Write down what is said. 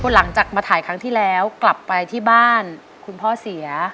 หลังจากมาถ่ายครั้งที่แล้วกลับไปที่บ้านคุณพ่อเสีย